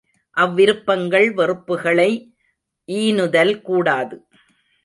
அவ்விருப்பங்கள் வெறுப்புகளை ஈனுதல் கூடாது.